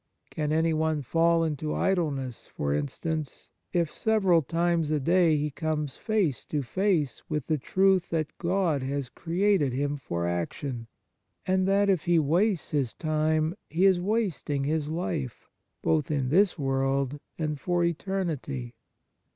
Can anyone fall into idleness, for instance, if several times a day he comes face to face with the truth that God has created him for action, and that, if he wastes his time, he is wasting his life, both in this world and for eternity